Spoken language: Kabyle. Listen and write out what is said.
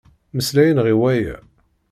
Mmeslayen ɣe waya.